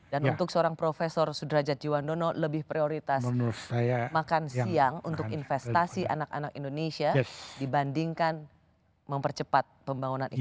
dan untuk seorang profesor sudrajat jiwanono lebih prioritas makan siang untuk investasi anak anak indonesia dibandingkan mempercepat pembangunan ikan